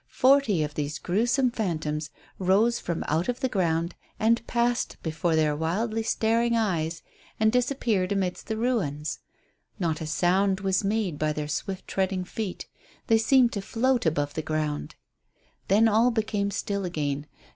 Forty of these gruesome phantoms rose from out of the ground and passed before their wildly staring eyes and disappeared amidst the ruins. Not a sound was made by their swift treading feet. They seemed to float over the ground. Then all became still again.